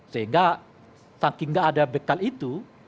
sehingga saking gak ada bekal itu